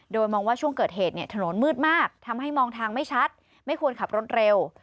โดยมองว่าช่วงเกิดเหตุเนี่ยถนนมืดมากทำให้มองทางไม่ชัดไม่ควรขับรถเร็ว